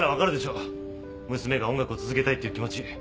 娘が音楽を続けたいっていう気持ち。